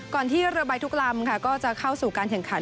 ที่เรือใบทุกลำค่ะก็จะเข้าสู่การแข่งขัน